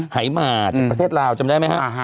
หายหมาจากประเทศลาวจำได้ไหมฮะ